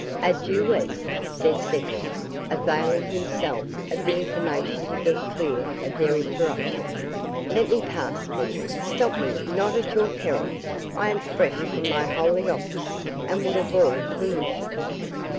"A Jewess!" said Cedric, availing himself of the information to get clear of their interruption,—"Let me pass, woman! stop me not at your peril. I am fresh from my holy office, and would avoid pollution."